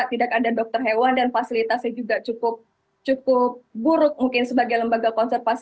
tidak ada dokter hewan dan fasilitasnya juga cukup buruk mungkin sebagai lembaga konservasi